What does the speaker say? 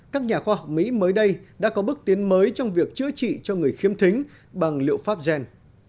các nhà khoa học mỹ mới đây đã có bước tiến mới trong việc chữa trị cho người khiếm thính bằng liệu pháp gen